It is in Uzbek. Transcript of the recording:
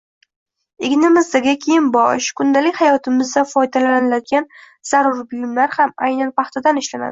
Egnimizdagi kiyimbosh, kundalik hayotimizda foydalaniladigan zarur buyumlar ham aynan paxtadan ishlanadi